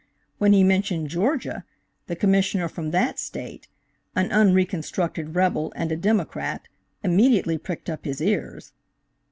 When he mentioned Georgia, the Commissioner from that State, an unreconstructed rebel and a Democrat, immediately pricked up his ears.